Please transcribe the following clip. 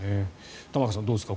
玉川さん、どうですか